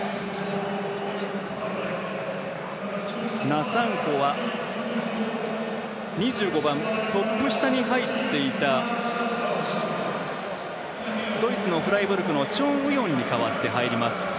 ナ・サンホは２５番トップ下に入っていたドイツのフライブルクのチョン・ウヨンに代わって入ります。